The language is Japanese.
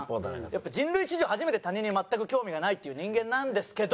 やっぱ人類史上初めて他人に全く興味がないっていう人間なんですけど。